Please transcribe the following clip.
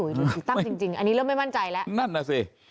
ถูกตั้งจริงอันนี้เริ่มไม่มั่นใจแล้วนั่นน่ะสิ